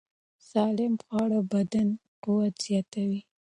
سالم خواړه د بدن قوت زیاتوي.